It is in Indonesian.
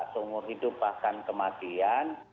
sungguh hidup bahkan kematian